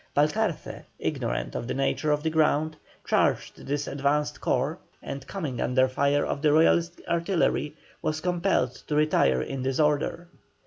Balcarce, ignorant of the nature of the ground, charged this advanced corps, and coming under fire of the Royalist artillery, was compelled to retire in disorder.